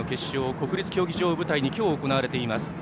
国立競技場を舞台に今日、行われています。